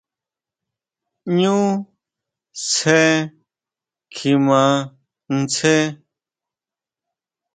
¿ʼÑu sje kjimá ʼnsje?